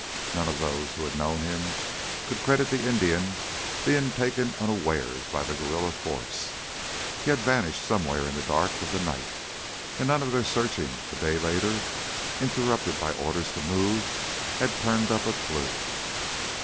None of those who had known him could credit the Indian being taken unawares by the guerrilla force. He had vanished somewhere in the dark of the night, and none of their searching a day later, interrupted by orders to move, had turned up a clue.